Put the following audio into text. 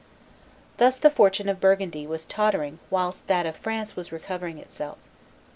Thus the fortune of Burgundy was tottering whilst that of France was recovering itself.